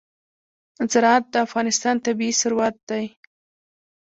زراعت د افغانستان طبعي ثروت دی.